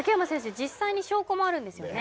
実際に証拠もあるんですよね